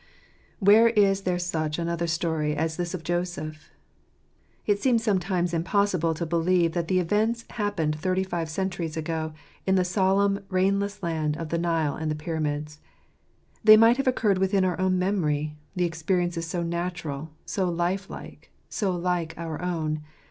HERE is there such another story as this of Joseph ? It seems sometimes impossible to believe that the events happened thirty five centuries ago, in the solemn, rainless land of the Nile and the Pyramids. They might have occurred within our own memory, the experience is so natural, so life like, so like our own.